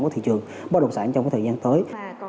của thị trường bác đồng sản trong cái thời gian tới